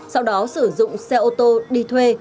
sau đó sử dụng xe ô tô đi thuê